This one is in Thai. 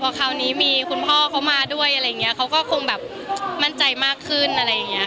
คราวนี้มีคุณพ่อเขามาด้วยอะไรอย่างนี้เขาก็คงแบบมั่นใจมากขึ้นอะไรอย่างเงี้ย